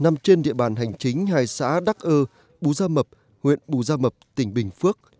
nằm trên địa bàn hành chính hai xã đắc ơ bú gia mập huyện bù gia mập tỉnh bình phước